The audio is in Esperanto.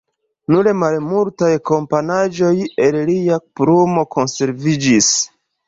Nur malmultaj komponaĵoj el lia plumo konserviĝis.